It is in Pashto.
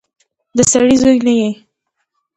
د سړي زوی نه يې.